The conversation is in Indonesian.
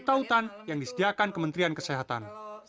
peralatan yang disediakan kementrian kesehatan